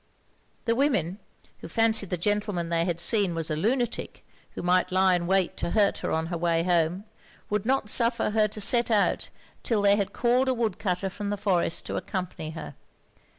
The women, who fancied the gentleman they had seen was a lunatic who might lay in wait to hurt her on her way home, would not suffer her to set out 'till they had called a woodcutter from the forest to accompany her.